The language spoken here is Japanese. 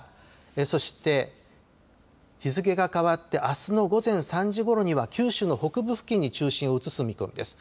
そして日付が変わってあすの午前３時ごろには九州の北部付近に中心を移す見込みです。